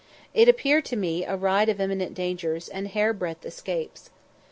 It appeared to me a ride of imminent dangers and hair breadth escapes.